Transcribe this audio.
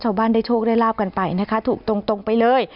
ชาวบ้านได้โชคได้ลาบกันไปนะคะถูกตรงไปเลย